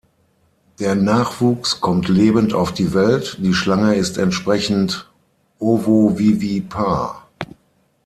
Der Nachwuchs kommt lebend auf die Welt, die Schlange ist entsprechend ovovivipar.